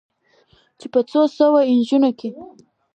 چې په څو سوو نجونو کې